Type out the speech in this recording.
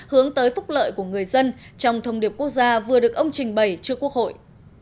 hướng tới phúc lợi của người dân trong thông điệp quốc gia vừa được ông trình bày trước quốc hội